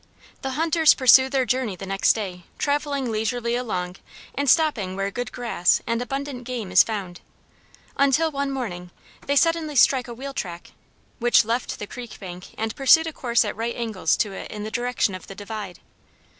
The hunters pursue their journey the next day, traveling leisurely along, and stopping where good grass and abundant game is found, until, one morning, they suddenly strike a wheel track, which left the creek bank and pursued a course at right angles to it in the direction of the divide.